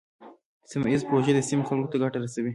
سیمه ایزې پروژې د سیمې خلکو ته ګټه رسوي.